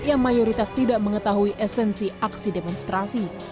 yang mayoritas tidak mengetahui esensi aksi demonstrasi